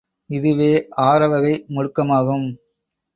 இதுவே ஆரவகை முடுக்கமாகும்.